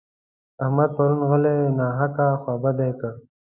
احمد پرون علي ناحقه خوابدی کړ.